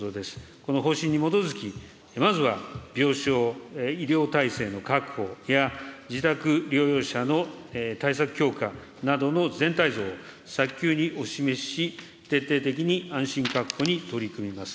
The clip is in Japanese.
この方針に基づき、まずは病床、医療体制の確保や、自宅療養者の対策強化などの全体像を早急にお示しし、徹底的に安心確保に取り組みます。